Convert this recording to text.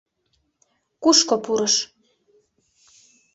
Кушко пурыш?